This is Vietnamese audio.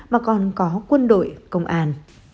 mà còn có quân đội công an